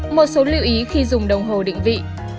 một số lưu ý khi dùng đồng hồ định vị